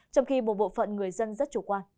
trong khi một bộ phận người dân rất chủ quan